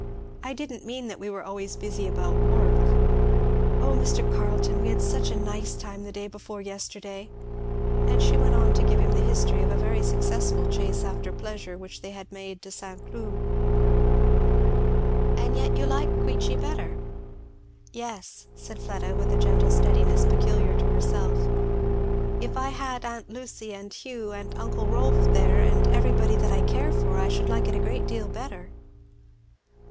I didn't mean that we were always busy about work. O Mr. Carleton we had such a nice time the day before yesterday!" And she went on to give him the history of a very successful chase after pleasure which they had made to St. Cloud. "And yet you like Queechy better?" "Yes," said Fleda, with a gentle steadiness peculiar to herself, if I had aunt Lucy and Hugh and uncle Rolf there and everybody that I care for, I should like it a great deal better."